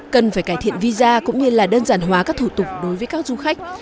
cần phải cải thiện visa cũng như là đơn giản hóa các thủ tục đối với các du khách